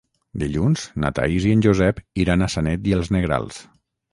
Dilluns na Thaís i en Josep iran a Sanet i els Negrals.